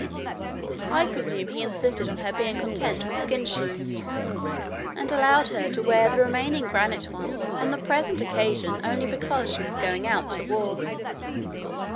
I presume he insisted on her being content with skin shoes, and allowed her to wear the remaining granite one on the present occasion only because she was going out to war.